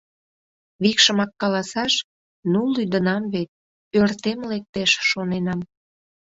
Викшымак каласаш, ну лӱдынам вет, ӧртем лектеш, шоненам.